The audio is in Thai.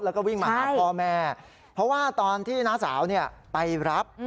แล้วก็วิ่งมาหาพ่อแม่เพราะว่าตอนที่น้าสาวไปรับ